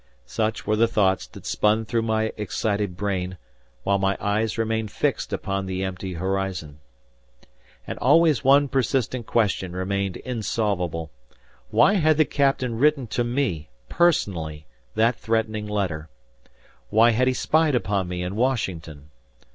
Such were the thoughts that spun through my excited brain, while my eyes remained fixed upon the empty horizon. And always one persistent question remained insolvable. Why had the captain written to me personally that threatening letter? Why had he spied upon me in Washington?